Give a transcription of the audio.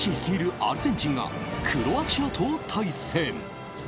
アルゼンチンがクロアチアと対戦。